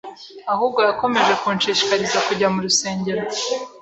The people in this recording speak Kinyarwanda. ahubwo yakomeje kunshishikariza kujya mu rusengero.